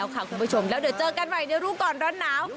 คุณผู้ชมแล้วเดี๋ยวเจอกันใหม่ในรู้ก่อนร้อนหนาว